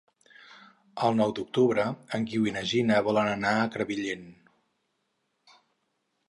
El nou d'octubre en Guiu i na Gina volen anar a Crevillent.